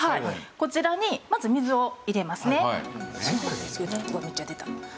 こちらにまず水を入れますね。